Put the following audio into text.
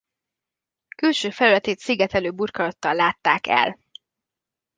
Külső felületét szigetelő burkolattal látták el.